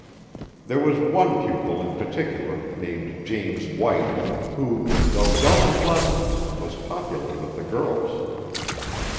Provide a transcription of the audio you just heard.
There was one pupil in particular, named James White, who, though dull in lessons, was popular with the girls.